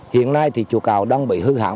hiện nay thì chùa cầu đang bị hư hẳn